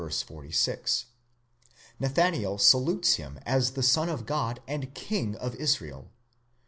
46); Nathan ael salutes him as the Son of God and King of Israel (v.